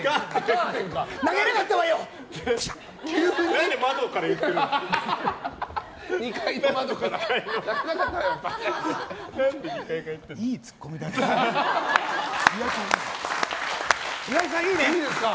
何で窓から言ってるんですか！